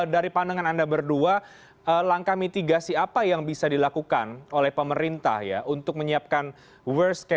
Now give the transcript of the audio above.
dari pandangan anda berdua langkah mitigasi apa yang bisa dilakukan oleh pemerintah ya untuk menyiapkan worst case